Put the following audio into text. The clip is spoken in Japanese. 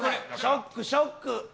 ショックショック！